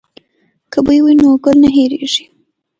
که بوی وي نو ګل نه هیرېږي.